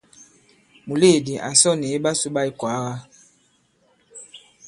Mùleèdi à sɔ nì iɓasū ɓa ikwàaga.